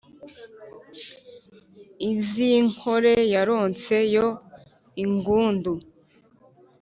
iz'i nkore yaronse yo ingundu